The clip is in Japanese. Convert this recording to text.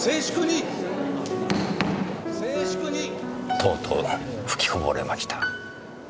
とうとう吹きこぼれました。